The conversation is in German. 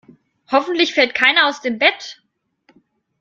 Hoffentlich fällt keiner aus dem Bett.